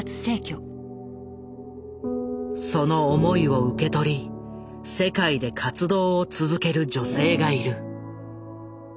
その思いを受け取り世界で活動を続ける女性がいる。